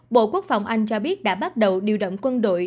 bộ quốc phòng anh cho biết đã bắt đầu điều động quân đội